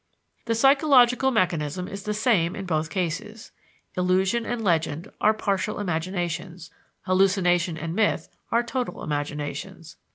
The psychological mechanism is the same in both cases. Illusion and legend are partial imaginations, hallucination and myth are total imaginations.